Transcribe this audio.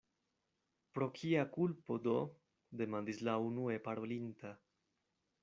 "Pro kia kulpo do?" demandis la unue parolinta.